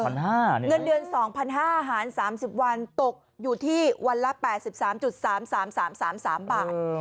เงินเดือน๒๕๐๐หาร๓๐วันตกอยู่ที่วันละ๘๓๓๓บาท